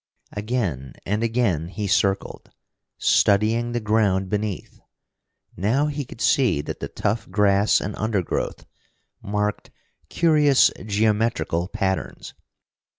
Again and again he circled, studying the ground beneath. Now he could see that the tough grass and undergrowth marked curious geometrical patterns.